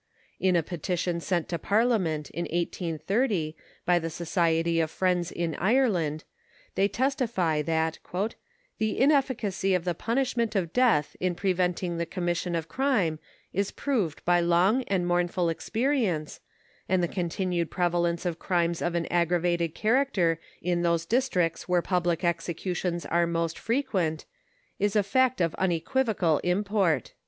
In a petition sent to Parliament in 1830 by the Society of Friends in Ireland, they testify that " the in efficacy of the punishment of death in preventing the commis sion of crime is proved by long and mournful experience, and the continued prevalence of crimes of an aggravated character in those districts where public executions are most frequent, is a fact of unequivocal import."